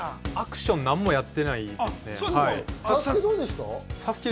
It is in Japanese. アクションは何もやってないですね。